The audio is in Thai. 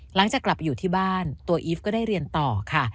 หลังจากกลับไปอยู่ที่บ้านตัวอีฟก็ได้เรียนต่อค่ะ